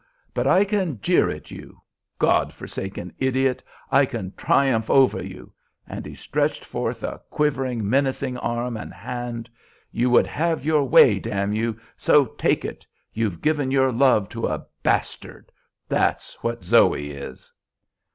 But I can jeer at you God forsaken idiot I can triumph over you;" and he stretched forth a quivering, menacing arm and hand. "You would have your way damn you! so take it. You've given your love to a bastard, that's what Zoe is."